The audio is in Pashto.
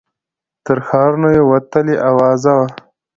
تر ښارونو یې وتلې آوازه وه